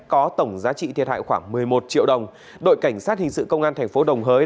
có tổng giá trị thiệt hại khoảng một mươi một triệu đồng đội cảnh sát hình sự công an thành phố đồng hới